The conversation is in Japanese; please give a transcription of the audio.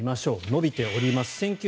延びております。